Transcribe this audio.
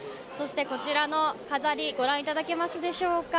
こちらの飾り、ご覧いただけますでしょうか。